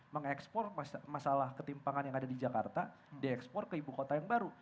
mengekspor masalah ketimpangan yang ada di jakarta diekspor ke ibu kota yang baru